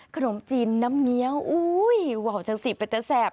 ขนมจีนน้ำเงี้ยวอุ้ยวาวจังสิเป็นแต่แสบ